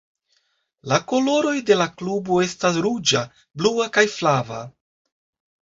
La koloroj de la klubo estas ruĝa, blua, kaj flava.